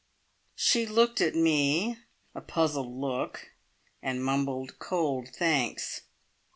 She looked at me a puzzled look and mumbled cold thanks.